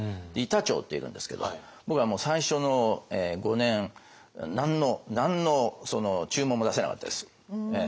板長っているんですけど僕はもう最初の５年何の何の注文も出せなかったです。